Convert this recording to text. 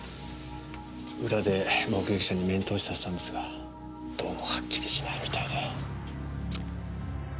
裏で目撃者に面通しさせたんですがどうもはっきりしないみたいで。